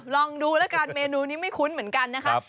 ลองดูแล้วกันเมนูนี้ไม่คุ้นเหมือนกันนะครับ